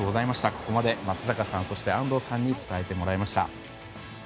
ここまで松坂さん、安藤さんに伝えてもらいました。